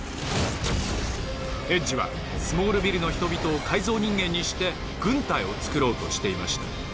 エッジはスモールビルの人々を改造人間にして軍隊を作ろうとしていました。